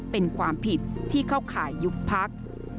เป็นความผิดที่เข้าข่ายยุบพัก